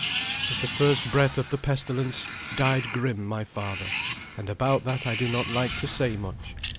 With the first breath of the pestilence died Grim my father, and about that I do not like to say much.